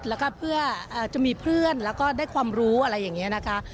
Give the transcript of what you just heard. แล้วก็เพื่อจะมีเพื่อนแล้วก็ได้ความรู้อะไรอย่างนี้นะคะ